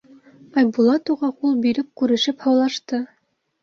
Айбулат уға ҡул биреп күрешеп һаулашты.